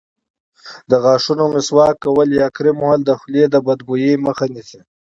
د غاښونو مسواک کول یا کریم وهل د خولې د بدبویۍ مخه نیسي.